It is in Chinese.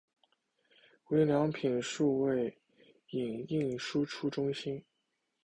无印良品数位影印输出中心